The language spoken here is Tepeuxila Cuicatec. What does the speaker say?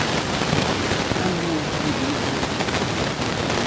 ¿A muʼu chii bikum?